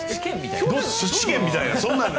試験みたい。